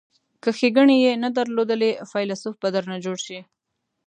که ښیګڼې یې نه درلودلې فیلسوف به درنه جوړ شي.